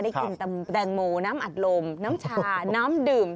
กินแตงโมน้ำอัดลมน้ำชาน้ำดื่ม